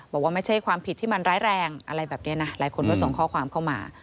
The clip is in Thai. บอกว่าไม่ใช่ความผิดที่มันร้ายแรงอะไรแบบนี้นะหลายคนก็ส่งข้อความเข้ามา